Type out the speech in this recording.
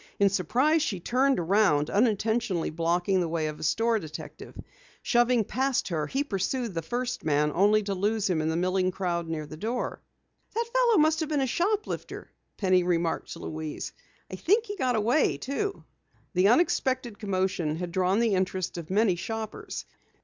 In surprise she turned around, unintentionally blocking the way of a store detective. Shoving past her, he pursued the first man only to lose him in the milling crowd near the front door. "That fellow must have been a shoplifter!" Penny remarked to Louise. "I think he got away too!" The unexpected commotion had drawn the interest of many shoppers.